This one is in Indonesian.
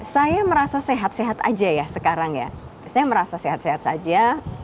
saya merasa sehat sehat aja ya sekarang ya saya merasa sehat sehat saja